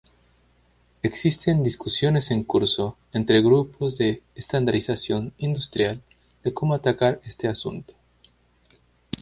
Existen discusiones en curso entre grupos de estandarización industrial de cómo atacar este asunto.